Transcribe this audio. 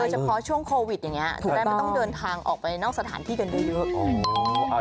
เฉพาะช่วงโควิดอย่างนี้จะได้ไม่ต้องเดินทางออกไปนอกสถานที่กันเยอะ